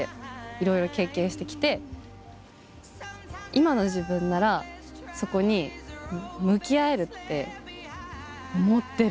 今の自分ならそこに向き合えるって思ってる。